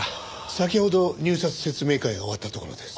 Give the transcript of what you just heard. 先ほど入札説明会が終わったところです。